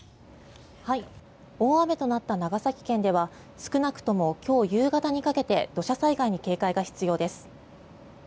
大雨となった長崎県では少なくとも今日夕方にかけて土砂災害に警戒が必要です。